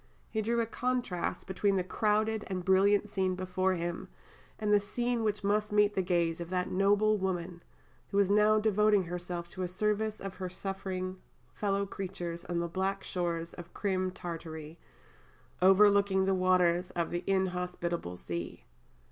He drew a contrast between the crowded and brilliant scene before him, and "the scene which met the gaze of that noble woman, who was now devoting herself to the service of her suffering fellow creatures on the black shores of Crim Tartary, overlooking the waters of the inhospitable sea."